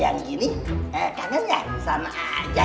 yang gini kangen ya sama aja